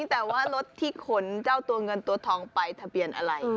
แต่ว่ารถที่ขนเจ้าตัวเงินตัวทองไปทะเบียนอะไร